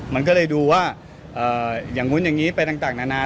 มันก็เลยดูว่าอย่างนู้นอย่างนี้ไปต่างนานา